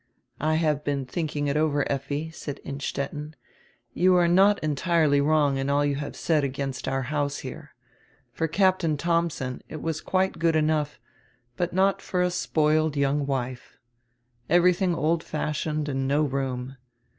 "I have been thinking it over, Effi," said Innstetten, "you are not entirely wrong in all you have said against our house here. For Captain Thomsen it was quite good enough, but not for a spoiled young wife. Everything old fashioned and no room.